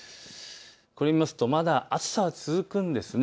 これを見ますとまだ暑さは続くんですね。